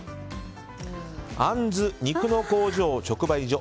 あんずお肉の工場直売所